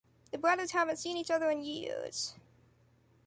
The brothers haven’t seen each other in years.